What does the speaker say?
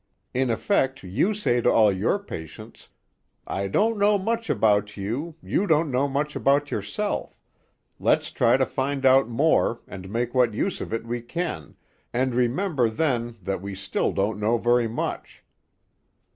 In effect you say to all your patients: "I don't know much about you, you don't know much about yourself; let's try to find out more, and make what use of it we can, and remember then that we still don't know very much."